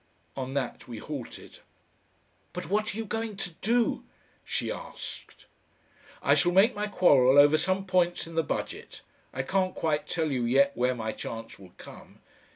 On that we halted. "But what are you going to do?" she asked. "I shall make my quarrel over some points in the Budget. I can't quite tell you yet where my chance will come.